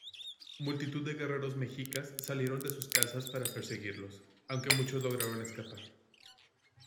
Multitud de guerreros mexicas salieron de sus casas para perseguirlos, aunque muchos lograron escapar.